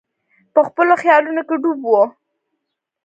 په خپلو خیالونو کې ډوب وو.